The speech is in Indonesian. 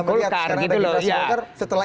golkar sekarang ada dikasih golkar setelah